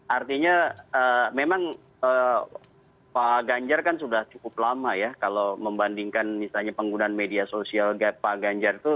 artinya memang pak ganjar kan sudah cukup lama ya kalau membandingkan misalnya penggunaan media sosial pak ganjar itu